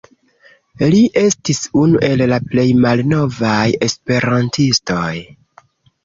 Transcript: Li estis unu el la plej malnovaj Esperantistoj.